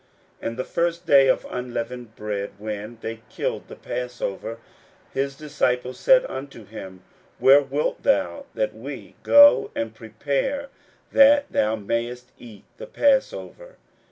41:014:012 And the first day of unleavened bread, when they killed the passover, his disciples said unto him, Where wilt thou that we go and prepare that thou mayest eat the passover?